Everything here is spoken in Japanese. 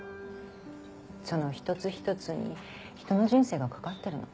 その一つ一つに人の人生がかかってるの。